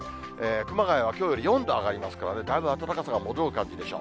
熊谷はきょうより４度上がりますからね、だいぶ暖かさが戻る感じでしょう。